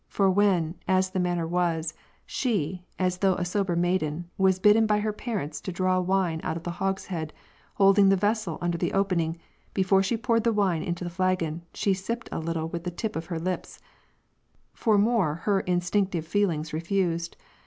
For when (as the manner was) she, as though a sober maiden, was bidden by her parents to draw wine out of the hogshead, holding the vessel under the opening, before she poured the wine into the flagon, she sipped a little with the tip of her lips ; for more her in stinctive feelings refused.